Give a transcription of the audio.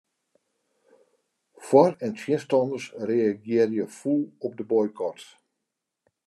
Foar- en tsjinstanners reagearje fûl op de boykot.